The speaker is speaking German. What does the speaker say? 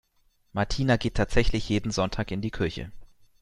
Martina geht tatsächlich jeden Sonntag in die Kirche.